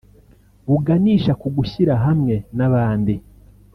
buganisha ku gushyira hamwe n’abandi